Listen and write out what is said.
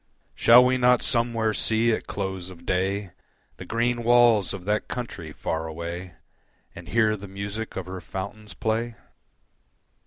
Shall we not somewhere see at close of day The green walls of that country far away, And hear the music of her fountains play?